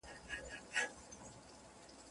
له مشرقه تر مغربه له شماله تر جنوبه